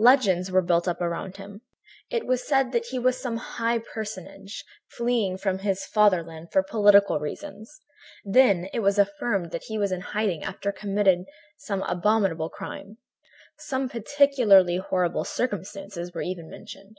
"Legends were built up around him. It was said that he was some high personage, fleeing from his fatherland for political reasons; then it was affirmed that he was in hiding after having committed some abominable crime. Some particularly horrible circumstances were even mentioned.